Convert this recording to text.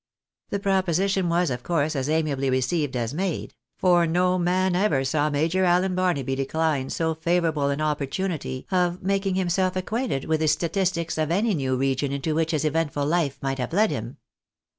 The proposition was of course as amiably received as made ; for no man ever saw Major Allen Barnaby decline so favourable an 2G6 THE BAENABTS IN' ATVTEEICA. opportunity of making himself acquainted with the statistics of any new region into which his eventful life might have led him.